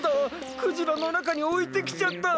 クジラのなかにおいてきちゃった！